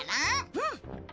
うん。